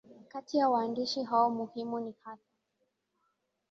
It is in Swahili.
Kati ya waandishi hao muhimu ni hasa